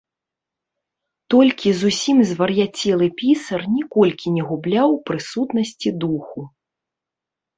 Толькі зусім звар'яцелы пісар ніколькі не губляў прысутнасці духу.